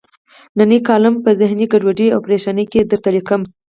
نننۍ کالم په ذهني ګډوډۍ او پریشانۍ کې درته لیکم.